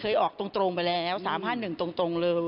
ออกตรงไปแล้ว๓๕๑ตรงเลย